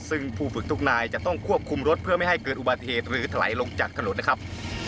ซึ่งผู้ฝึกทุกนายจะต้องควบคุมรถเพื่อไม่ให้เกิดอุบัติเหตุหรือถลายลงจากถนนนะครับ